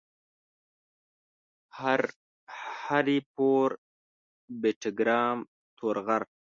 هري پور ، بټګرام ، تورغر